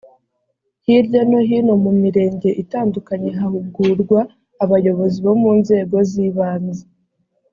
hirya no hino mu mirenge itandukanye hahugurwa abayobozi bo mu nzego z ibanze